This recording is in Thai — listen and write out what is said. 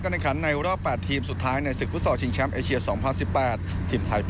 เหมือนกันในวันนี้ที่เรามีทัศนกษัตริย์ในการเล่นแบบเต็มที่